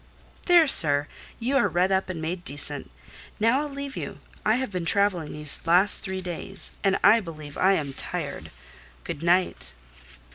"There, sir, you are redd up and made decent. Now I'll leave you: I have been travelling these last three days, and I believe I am tired. Good night."